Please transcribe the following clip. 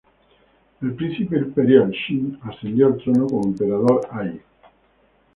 El Príncipe Imperial Xin ascendió al trono como Emperador Ai.